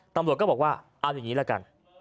ตำรวจก็บอกว่าเอาอย่างนี้ละกัน